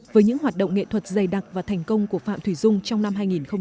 với những hoạt động nghệ thuật dày đặc và thành công của phạm thùy dung trong năm hai nghìn một mươi tám